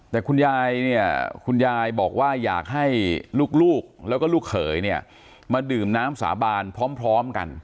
แต่คุณยายเนี่ยคุณยายบอกว่าอยากให้ลูกแล้วก็ลูกเขยเนี่ยมาดื่มน้ำสาบานพร้อมกัน